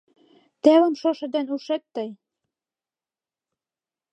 Телым шошо ден ушет тый.